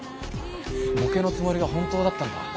ボケのつもりが本当だったんだ。